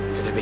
ya udah be